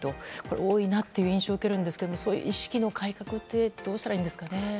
多いなという印象を受けるんですがそういう意識の改革ってどうしたらいいんですかね。